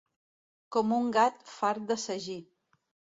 Com un gat fart de sagí.